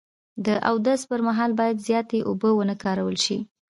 د اودس پر مهال باید زیاتې اوبه و نه کارول شي.